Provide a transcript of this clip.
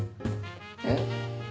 えっ。